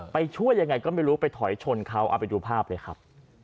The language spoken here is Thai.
ไปช่วยยังไงก็ไม่รู้ไปถอยชนเขาเอาไปดูภาพเลยครับ